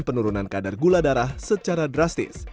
penurunan kadar gula darah secara drastis